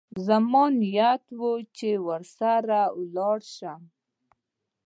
زما نيت و چې ورسره ولاړ سم.